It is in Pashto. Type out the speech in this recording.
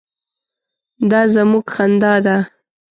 _دا زموږ خندا ده.